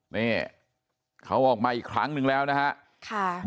นี่เขาออกมาอีกครั้งนึงแล้วนะฮะ